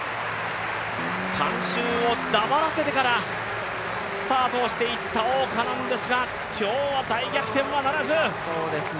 観衆を黙らせてからスタートをしていった王嘉男ですが今日は大逆転はならず。